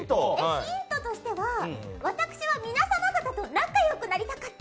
ヒントとしてはわたくしは皆様方と仲良くなりたかった。